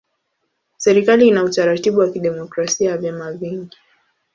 Serikali ina utaratibu wa kidemokrasia ya vyama vingi.